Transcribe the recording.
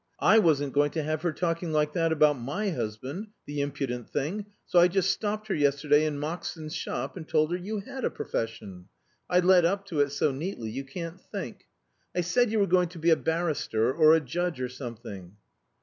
I wasn't going to have her talking like that about my husband the impudent thing! so I just stopped her yesterday in Moxon's shop and told her you had a profession. I led up to it so neatly, you can't think. I said you were going to be a barrister or a judge or something."